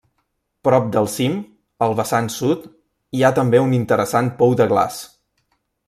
Prop del cim, al vessant sud, hi ha també un interessant pou de glaç.